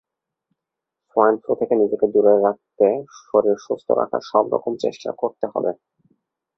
Swine flu থেকে নিজেকে দূরে রাখতে শরীর সুস্থ রাখার সব রকম চেষ্টা করতে হবে।